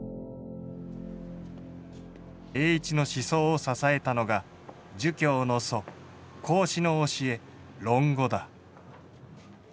栄一の思想を支えたのが儒教の祖孔子の教え「論語」だ。